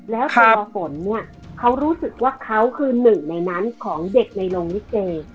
แล้วตัวฝนเนี่ยเขารู้สึกว่าเขาคือหนึ่งในนั้นของเด็กในโรงลิเก